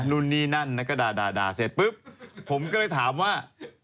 นู่นนี่นั่นแล้วก็ด่าเสร็จปุ๊บผมก็เลยถามว่า